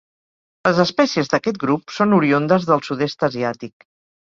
Les espècies d'aquest grup són oriündes del sud-est asiàtic.